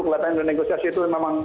kelihatannya negosiasi itu memang